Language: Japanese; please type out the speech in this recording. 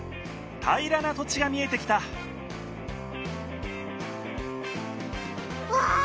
平らな土地が見えてきたわあ！